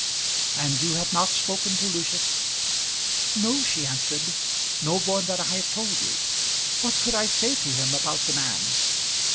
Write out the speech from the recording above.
"And you have not spoken to Lucius?" "No," she answered. "No more than I have told you. What could I say to him about the man?"